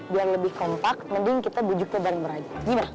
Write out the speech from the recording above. biar lebih kompak mending kita bujuk lo bareng bareng gimana